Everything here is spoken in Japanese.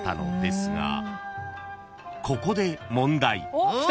［ここで問題］